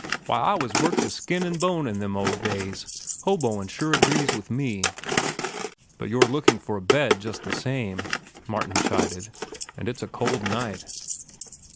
Why, I was worked to skin an' bone in them old days. Hoboin' sure agrees with me." "But you're looking for a bed just the same," Martin chided, "and it's a cold night."